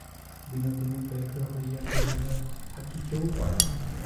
বিনোদিনী ব্যগ্র হইয়া কহিল, থাকিতেও পারে।